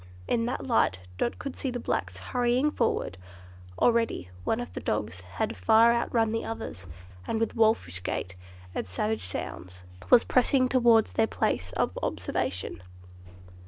In that light Dot could see the blacks hurrying forward. Already one of the dogs had far outrun the others, and with wolfish gait and savage sounds, was pressing towards their place of observation.